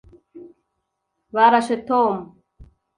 Barashe Tom.